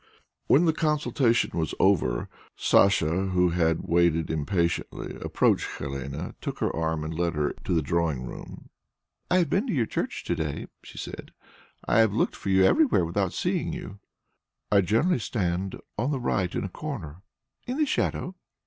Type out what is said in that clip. When the consultation was over, Sacha, who had waited impatiently, approached Helene, took her arm, and led her to the drawing room. "I have been to your church to day," she said. "I have looked for you everywhere without seeing you." "I generally stand on the right in a corner." "In the shadow?"